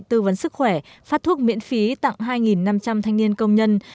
tư vấn sức khỏe phát thuốc miễn phí tặng hai năm trăm linh thanh niên công nhân